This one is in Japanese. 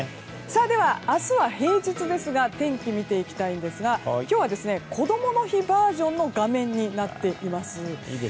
では、明日は平日ですが天気を見ていきたいんですが今日はこどもの日バージョンの画面になっています。